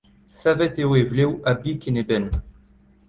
Savet eo e vlev a-bik en e benn.